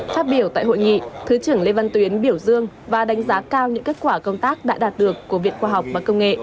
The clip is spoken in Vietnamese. phát biểu tại hội nghị thứ trưởng lê văn tuyến biểu dương và đánh giá cao những kết quả công tác đã đạt được của viện khoa học và công nghệ